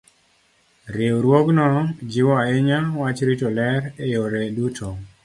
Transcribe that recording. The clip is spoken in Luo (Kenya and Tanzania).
Riwruogno jiwo ahinya wach rito ler e yore duto.